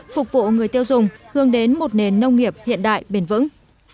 phục vụ người tiêu dùng hướng đến một nền nông nghiệp hiện đại bền vững